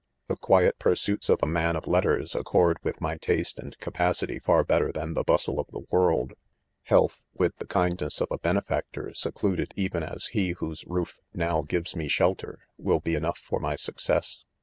The quiet pursuits of a man of letters ac cord with my 'taste and capacity far better than . the bustle '■■ of the world. ; Health, with the i 'kindness of ;a ^benefactor secluded Wen as he whose roof ( ;e ) uow gives me shelter, will be 'enough for my ^success.